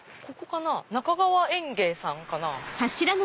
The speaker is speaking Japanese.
中川園芸さんかな。